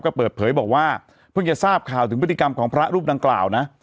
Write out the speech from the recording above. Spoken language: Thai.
ก็เปิดเผยบอกว่าเพิ่งจะทราบข่าวถึงพฤติกรรมของพระรูปดังกล่าวนะ